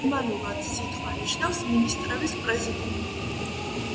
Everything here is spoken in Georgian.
გერმანულად სიტყვა ნიშნავს „მინისტრების პრეზიდენტი“.